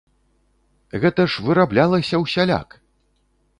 Гэта ж выраблялася ўсяляк!